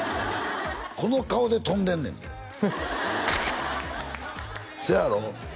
この顔で跳んでんねんでせやろ？